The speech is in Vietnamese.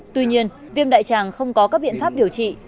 tuy nhiên viêm đại tràng không có các biện pháp điều trị